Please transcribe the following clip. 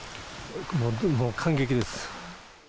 もう感激です。